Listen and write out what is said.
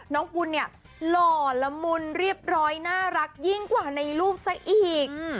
กุลเนี่ยหล่อละมุนเรียบร้อยน่ารักยิ่งกว่าในรูปซะอีก